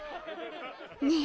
ねえ